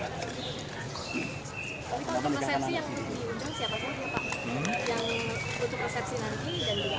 yang untuk resepsi nanti dan di akhirnya yang diundang siapa saja warga juga